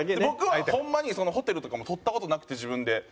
僕はホンマにホテルとかも取った事なくて自分で。